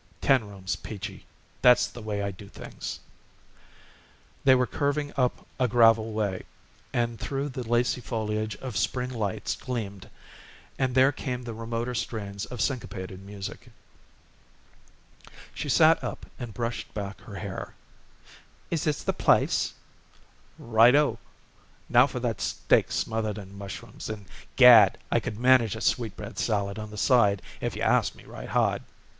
"Ten rooms, Peachy that's the way I do things." They were curving up a gravel way, and through the lacy foliage of spring lights gleamed, and there came the remoter strains of syncopated music. She sat up and brushed back her hair. "Is this the place?" "Right o! Now for that steak smothered in mushrooms, and, gad! I could manage a sweetbread salad on the side if you asked me right hard."